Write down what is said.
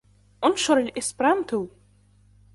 انشر الإسبرانتو!